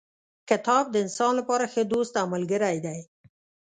کتاب د انسان لپاره ښه دوست او ملګری دی.